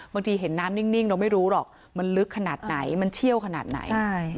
เห็นน้ำนิ่งเราไม่รู้หรอกมันลึกขนาดไหนมันเชี่ยวขนาดไหน